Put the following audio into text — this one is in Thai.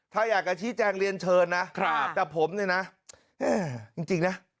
ถ้าอยากจะชี้แจงเรียนเชิญนะแต่ผมเนี่ยนะจริงนะ